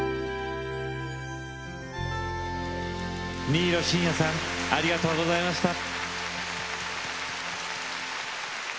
新納慎也さんありがとうございました。